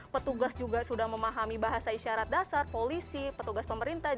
petugas juga sudah memahami bahasa isyarat dasar polisi petugas pemerintah